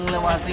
kota waru itu